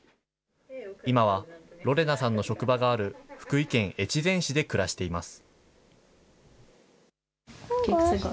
今はロレナさんの職場がある福井県越前市で暮らしています。